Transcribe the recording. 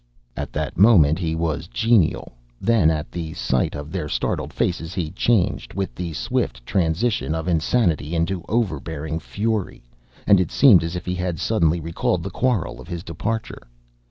At that moment he was genial. Then at the sight of their startled faces he changed, with the swift transition of insanity, into overbearing fury. And it seemed as if he had suddenly recalled the quarrel of his departure.